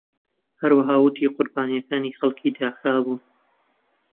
هەروەها ووتی قوربانیەکانی خەڵکی داکا بوون.